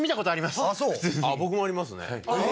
僕もありますね。